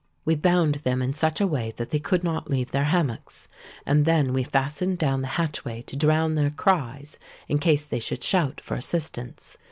We bound them in such a way that they could not leave their hammocks; and then we fastened down the hatchway to drown their cries in case they should shout for assistance.